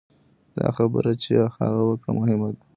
دا خبره چې هغه وکړه مهمه ده.